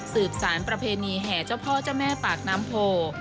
สารประเพณีแห่เจ้าพ่อเจ้าแม่ปากน้ำโพ